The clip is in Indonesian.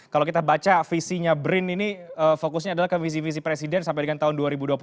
kalau kita baca visinya brin ini fokusnya adalah ke visi visi presiden sampai dengan tahun dua ribu dua puluh empat